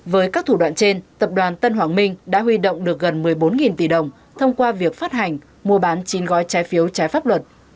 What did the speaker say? với các thủ đoạn trên tập đoàn tân hoàng minh đã huy động được gần một mươi bốn tỷ đồng thông qua việc phát hành mua bán chín gói trái phiếu trái pháp luật